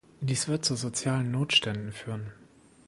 Dies wird zu sozialen Notständen führen.